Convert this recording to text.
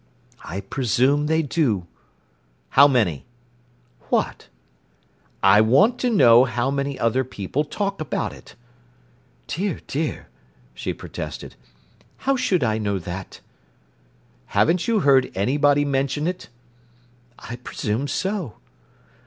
"I presume they do." "How many?" "What?" "I want to know how many other people talk about it?" "Dear, dear!" she protested. "How should I know that?" "Haven't you heard anybody mention it?" "I presume so."